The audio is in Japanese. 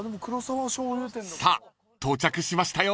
［さあ到着しましたよ］